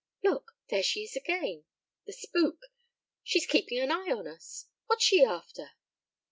"Look! There she is again. The spook! She's keeping an eye on us. What's she after?"